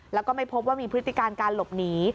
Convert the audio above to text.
แล้วก็ไม่พบว่ามีพฤติการการหลบหนี